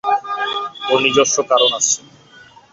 ওর নিজস্ব কারণ আছে।